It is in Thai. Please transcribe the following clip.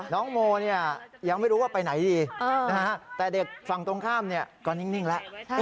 น้องโมยังไม่รู้ว่าไปไหนดีแต่เด็กฝั่งตรงข้ามก็นิ่งแล้ว